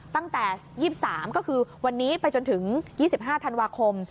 ตั้งแต่๒๓ก็คือวันนี้ไปจนถึง๒๕ธันวาคม